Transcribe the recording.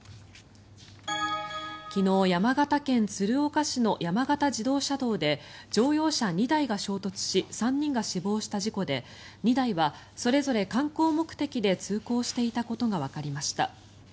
昨日、山形県鶴岡市の山形自動車道で乗用車２台が衝突し３人が死亡した事故で２台はそれぞれ観光目的で通行していたことがわかりました。